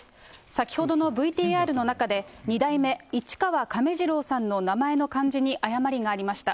先ほどのＶＴＲの中で、二代目市川亀治郎さんの名前の漢字に誤りがありました。